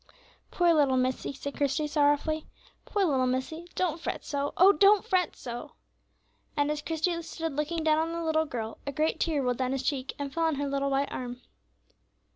"Poor little missie!" said Christie, sorrowfully; "poor little missie, don't fret so; oh, don't fret so!" And as Christie stood looking down on the little girl a great tear rolled down his cheek and fell on her little white arm.